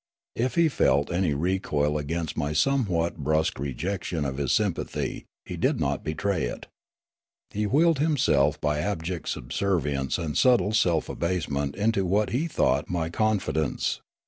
If he felt any recoil against my somewhat brusque rejection of his sym pathy, he did not betray it. He wheedled himself b} abject subservience and subtle self abasement into what he thought my confidence.